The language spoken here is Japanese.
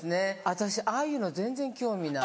私ああいうの全然興味ない。